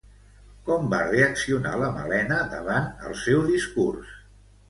Com va reaccionar la Malena davant el seu discurs?